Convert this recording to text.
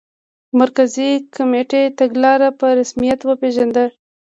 مرکزي کمېټې تګلاره په رسمیت وپېژنده.